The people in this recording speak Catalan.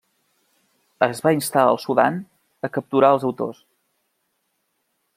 Es va instar al Sudan a capturar als autors.